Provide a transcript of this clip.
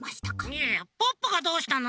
いやいやポッポがどうしたの？